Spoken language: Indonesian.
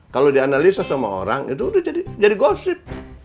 kalau dianalisa sama orang itu udah jadi gosip